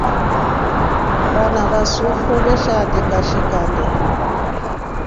Vana va sufru veshaandika shi kande.